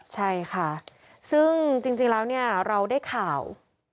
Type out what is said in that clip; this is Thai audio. ใช่ค่ะซึ่งจริงแล้วเนี่ยเราได้ข่าว